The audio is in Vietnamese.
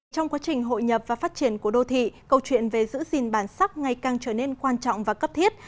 trong quá trình hội nhập và phát triển của đô thị câu chuyện về giữ gìn bản sắc ngày càng trở nên quan trọng và cấp thiết